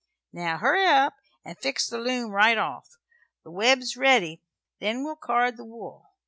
Now hurry up 'nd fix the loom right off. The web's ready, then we'll card the wool.